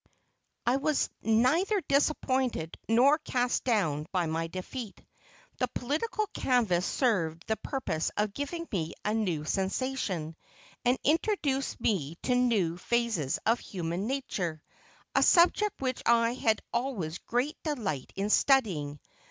I was neither disappointed nor cast down by my defeat. The political canvass served the purpose of giving me a new sensation, and introducing me to new phases of human nature, a subject which I had always great delight in studying.